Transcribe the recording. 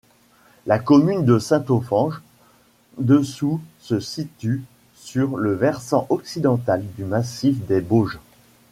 La commune de Saint-Offenge-Dessous se situe sur le versant occidental du massif des Bauges.